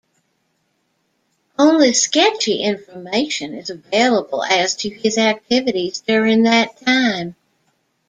Only sketchy information is available as to his activities during that time.